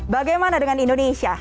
bagaimana dengan indonesia